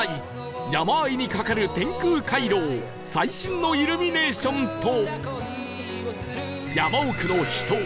山あいに架かる天空回廊最新のイルミネーションと山奥の秘湯